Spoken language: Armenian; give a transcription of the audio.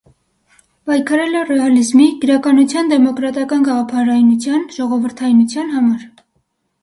Պայքարել է ռեալիզմի, գրականության դեմոկրատական գաղափարայնության, ժողովրդայնության համար։